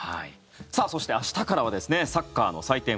そして、明日からはサッカーの祭典